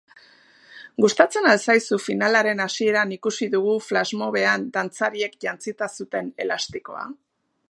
Gustatzen al zaizu finalaren hasieran ikusi dugun flashmobean dantzariek jantzita zuten elastikoa?